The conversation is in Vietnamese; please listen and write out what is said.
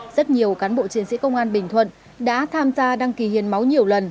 rất nhiều cán bộ chiến sĩ công an bình thuận đã tham gia đăng ký hiến máu nhiều lần